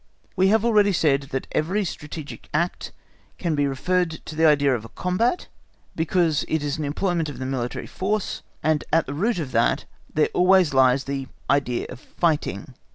We have already said that every strategic act can be referred to the idea of a combat, because it is an employment of the military force, and at the root of that there always lies the idea of fighting.